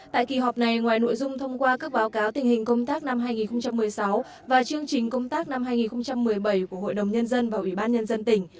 tại kỳ họp này ngoài nội dung thông qua các báo cáo tình hình công tác năm hai nghìn một mươi sáu và chương trình công tác năm hai nghìn một mươi bảy của hội đồng nhân dân và ủy ban nhân dân tỉnh